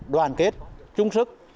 đoàn kết trung sức